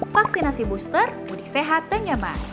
vaksinasi booster mudik sehat dan nyaman